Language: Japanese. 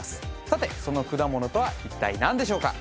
さてその果物とは一体何でしょうか？